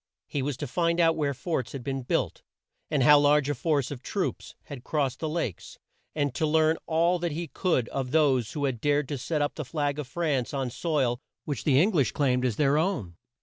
He was to find out where forts had been built, and how large a force of troops had crossed the Lakes, and to learn all that he could of those who had dared to set up the flag of France on soil which the Eng lish claimed as their own.